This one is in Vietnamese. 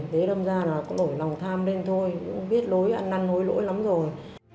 thế đâm ra là cũng đổi lòng tham lên thôi cũng biết lối ăn năn hối lỗi lắm rồi